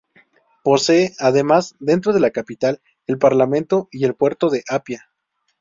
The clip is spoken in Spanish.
Posee además, dentro de la capital, el parlamento y el Puerto de Apia.